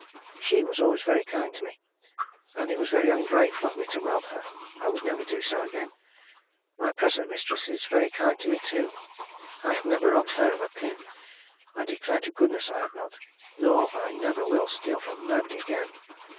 She was always very kind to me, and it was very ungrateful of me to rob her. I would never do so again. My present mistress is very kind to me, too. I have never robbed her of a pin. I declare to goodness I have not, nor I never will steal from anybody again.